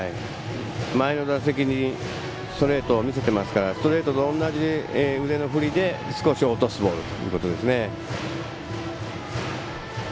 前の打席ストレートを見せているのでストレートと同じ腕の振りで少し落とすボールということです。